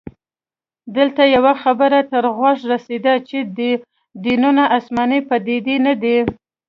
دلته يوه خبره تر غوږه رسیده چې دینونه اسماني پديدې نه دي